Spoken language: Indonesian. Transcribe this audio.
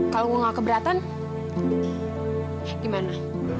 kalau gue gak keberatan gimana